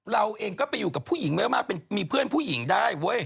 เราเองก็ไปอยู่กับผู้หญิงมากมีเพื่อนผู้หญิงได้เว้ย